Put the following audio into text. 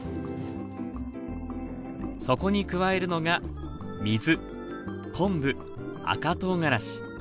そこに加えるのが水昆布赤とうがらし。